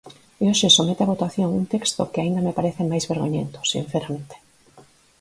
E hoxe somete a votación un texto que aínda me parece máis vergoñento, sinceramente.